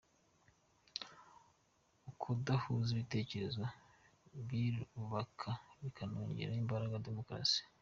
Ukudahuza ibitekerezo birubaka bikanongerera imbaraga demokarasi.”